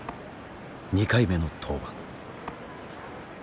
２回目の登板。